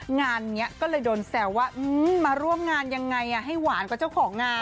งานนี้ก็เลยโดนแซวว่ามาร่วมงานยังไงให้หวานกว่าเจ้าของงาน